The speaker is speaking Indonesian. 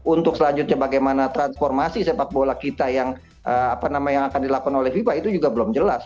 untuk selanjutnya bagaimana transformasi sepak bola kita yang akan dilakukan oleh fifa itu juga belum jelas